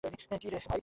কি রে ভাই!